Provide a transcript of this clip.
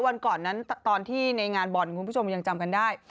วันก่อนนั้นตอนที่ในงานบ่อนคุณผู้ชมยังจำกันได้